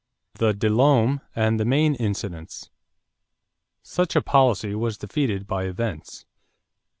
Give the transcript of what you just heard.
=The De Lome and the Maine Incidents.= Such a policy was defeated by events.